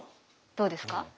どうですか？